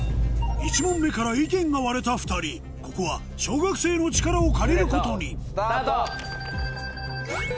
１問目から意見が割れた２人ここは小学生の力を借りることにルーレットスタート！